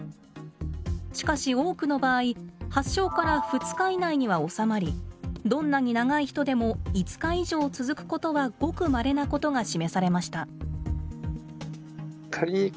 しかし多くの場合発症から２日以内には治まりどんなに長い人でも５日以上続くことはごくまれなことが示されました。